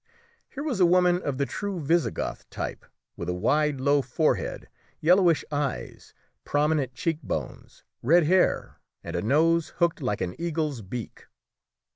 Here was a woman of the true Visigoth type, with a wide low forehead, yellowish eyes, prominent cheek bones, red hair, and a nose hooked like an eagle's beak.